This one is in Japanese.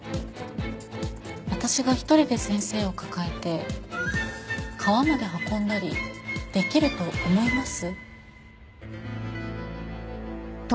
私が一人で先生を抱えて川まで運んだりできると思います？